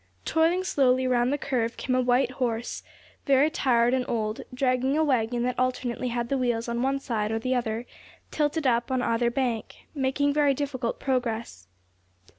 Toiling slowly round the curve came a white horse, very tired and old, dragging a wagon that alternately had the wheels on one side or the other tilted up on either bank, making very difficult progress.